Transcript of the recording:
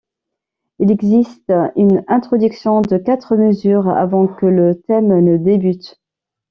Il existe une introduction de quatre mesures avant que le thème ne débute.